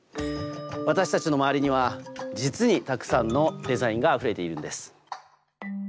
私たちの周りには実にたくさんのデザインがあふれているんです。